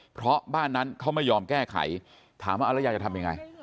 เพราะบ้านนั้นเขาไม่ยอมแก้ไขถามว่าแล้วยายจะทำยังไง